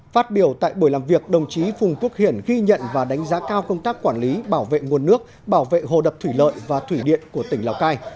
phát biểu tại buổi làm việc đồng chí phùng quốc hiển ghi nhận và đánh giá cao công tác quản lý bảo vệ nguồn nước bảo vệ hồ đập thủy lợi và thủy điện của tỉnh lào cai